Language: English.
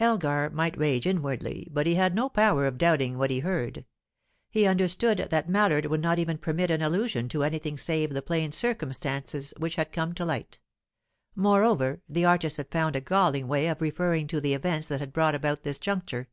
Elgar might rage inwardly, but he had no power of doubting what he heard. He understood that Mallard would not even permit an allusion to anything save the plain circumstances which had come to light. Moreover, the artist had found a galling way of referring to the events that had brought about this juncture.